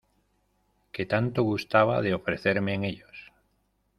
que tanto gustaba de ofrecerme en ellos.